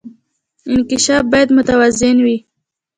انکشاف باید متوازن وي